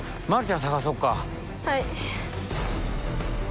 はい。